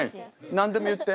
何でも言って。